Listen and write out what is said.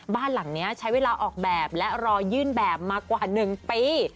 บ้านหลังนี้ใช้เวลาออกแบบและรอยื่นแบบมากว่า๑ปี